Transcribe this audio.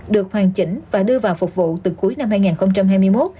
được hoàn chỉnh và đưa vào phục vụ từ cuối năm hai nghìn hai mươi một